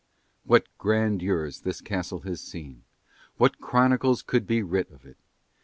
What grandeurs this castle has seen! What chronicles could be writ of it!